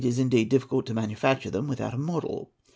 837 difficult to manufacture them without a model.